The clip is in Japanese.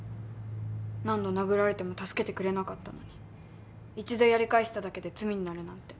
何度殴られても助けてくれなかったのに一度やり返しただけで罪になるなんて。